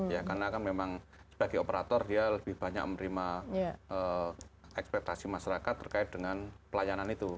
ya karena kan memang sebagai operator dia lebih banyak menerima ekspektasi masyarakat terkait dengan pelayanan itu